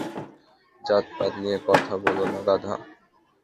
জাত-পাত নিয়ে কথা বোলো না, গাধা!